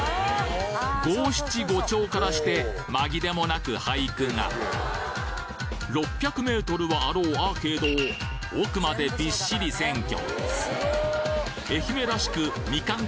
五七五調からして紛れもなく俳句が６００メートルはあろうアーケードを奥までびっしり占拠